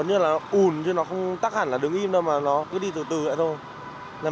nó như là ủn chứ nó không tắt hẳn là đứng im đâu mà nó cứ đi từ từ vậy thôi